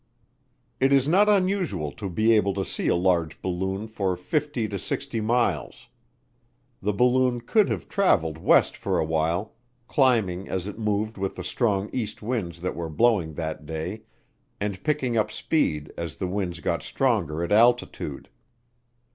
It is not unusual to be able to see a large balloon for 50 to 60 miles. The balloon could have traveled west for a while, climbing as it moved with the strong east winds that were blowing that day and picking up speed as the winds got stronger at altitude.